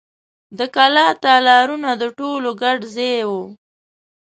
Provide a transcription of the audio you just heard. د کلا تالارونه د ټولو ګډ ځای و.